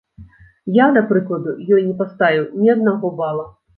Я, да прыкладу, ёй не паставіў ні аднаго бала.